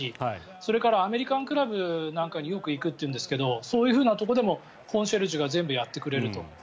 それからアメリカンクラブによく行くというんですがそういうふうなところでもコンシェルジュが全部やってくれると。